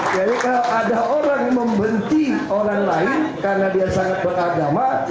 kira kira ada orang yang membenci orang lain karena dia sangat beragama